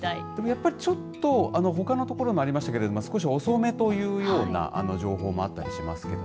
やっぱりちょっとほかのところでもありましたけど少し遅めというような情報もあったりしますけど。